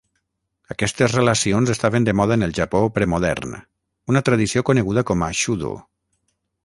Aquestes relacions estaven de moda en el Japó premodern, una tradició coneguda com a shudo.